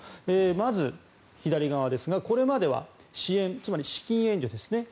まず、左側ですがこれまでは支援つまり資金援助ですね。